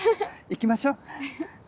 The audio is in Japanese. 行きましょ。